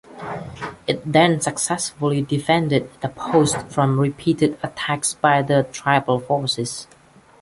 It then successfully defended the post from repeated attacks by the tribal forces.